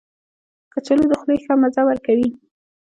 کچالو د خولې ښه مزه ورکوي